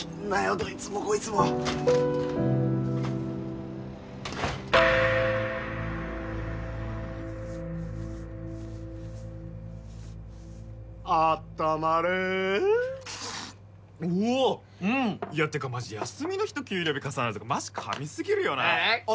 どいつもこいつも温まれおおっってか休みの日と給料日重なるとかマジ神すぎるよなあっ